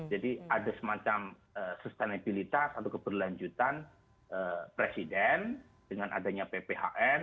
ada semacam sustainabilitas atau keberlanjutan presiden dengan adanya pphn